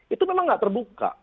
itu memang nggak terbuka